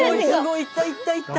いったいったいった。